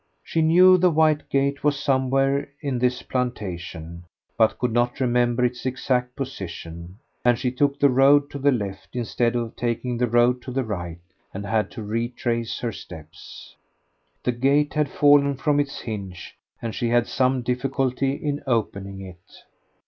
She knew the white gate was somewhere in this plantation, but could not remember its exact position; and she took the road to the left instead of taking the road to the right, and had to retrace her steps. The gate had fallen from its hinge, and she had some difficulty in opening it.